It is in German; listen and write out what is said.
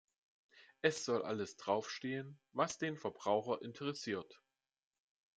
Es soll alles drauf stehen, was den Verbraucher interessiert.